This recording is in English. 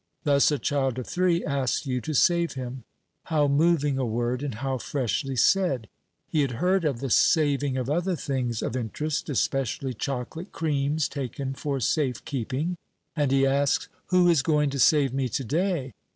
Thus, a child of three asks you to save him. How moving a word, and how freshly said! He had heard of the "saving" of other things of interest especially chocolate creams taken for safe keeping and he asks, "Who is going to save me to day?